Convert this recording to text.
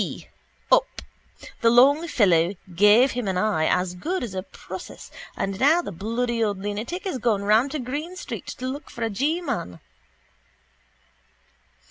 p: up. The long fellow gave him an eye as good as a process and now the bloody old lunatic is gone round to Green street to look for a G man.